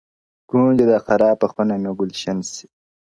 ګوندي دا خرابه خونه مو ګلشن شي!